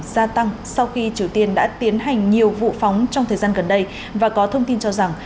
gia tăng sau khi triều tiên đã tiến hành nhiều vụ phóng trong thời gian gần đây và có thông tin cho rằng